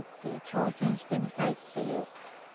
挑戦してみたいっていう。